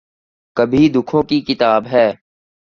کبھی دکھوں کی کتاب ہے